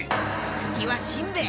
次はしんべヱ！